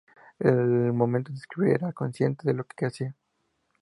Al momento de escribir era consciente de lo que hacia.